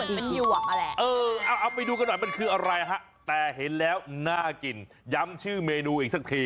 เออจริงเอาไปดูกันหน่อยมันคืออะไรฮะแต่เห็นแล้วน่ากินย้ำชื่อเมนูอีกสักที